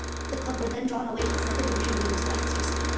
The club were then drawn away to Second Division leaders Leicester City.